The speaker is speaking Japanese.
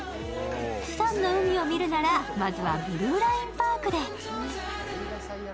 プサンの海を見るなら、まずはブルーラインパークで。